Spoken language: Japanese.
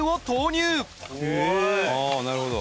ああなるほど。